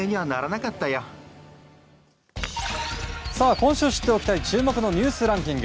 今週知っておきたい注目のニュースランキング。